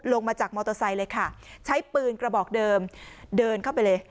ลงมาจากมอเตอร์ไซค์เลยค่ะใช้ปืนกระบอกเดิมเดินเข้าไปเลย